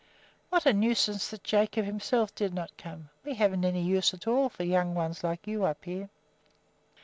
"What a nuisance that Jacob himself did not come! We haven't any use at all for young ones like you up here."